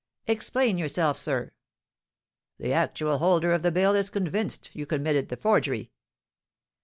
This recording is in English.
"Explain yourself, sir." "The actual holder of the bill is convinced you committed the forgery."